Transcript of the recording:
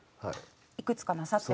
いくつかなさって。